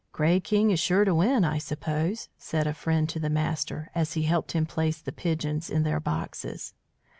"Grey King is sure to win, I suppose," said a friend to the master as he helped him place the pigeons in their boxes.